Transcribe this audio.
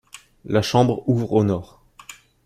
La chambre ouvre au nord.